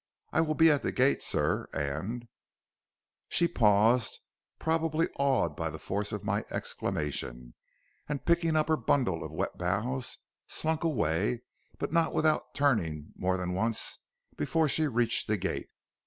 I will be at the gate, sir, and ' "She paused, probably awed by the force of my exclamation, and picking up her bundle of wet boughs, slunk away, but not without turning more than once before she reached the gate.